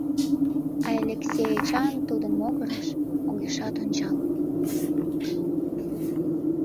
А Элексей Эчан тудын могырыш огешат ончал.